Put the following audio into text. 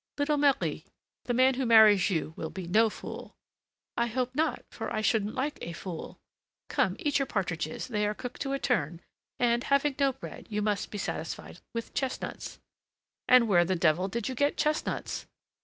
Little Marie, the man who marries you will be no fool." "I hope not, for I shouldn't like a fool. Come, eat your partridges, they are cooked to a turn; and, having no bread, you must be satisfied with chestnuts." "And where the devil did you get chestnuts?"